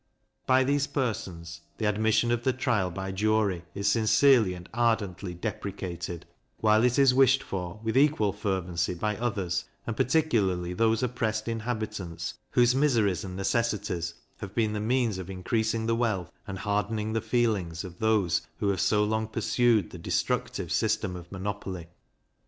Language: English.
By these persons the admission of the trial by jury is sincerely and ardently deprecated, while it is wished for with equal fervency by others, and particularly those oppressed inhabitants, whose miseries and necessities have been the means of increasing the wealth, and hardening the feelings of those who have so long pursued the destructive system of monopoly.